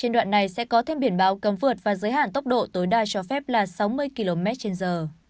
đoạn này sẽ có thêm biển báo cấm vượt và giới hạn tốc độ tối đa cho phép là sáu mươi km trên giờ